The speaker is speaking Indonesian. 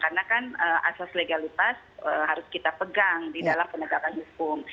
karena kan asas legalitas harus kita pegang di dalam penegakan hukum